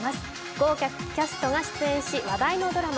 豪華キャストが出演し話題のドラマ。